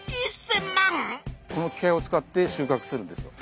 この機械を使ってしゅうかくするんですよ。